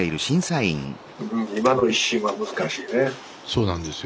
そうなんですよ